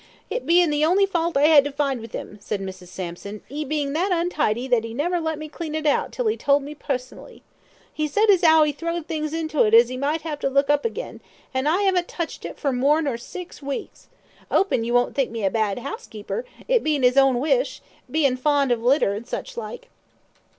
"It bein' the only fault I 'ad to find with 'im," said Mrs. Sampson, "'e bein' that untidy that 'e a never let me clean it out until 'e told me pussonly. 'E said as 'ow 'e throwed things into it as 'e might 'ave to look up again; an' I 'aven't touched it for more nor six weeks, 'opin' you won't think me a bad 'ousekeeper, it bein' 'is own wish bein' fond of litter an' sich like."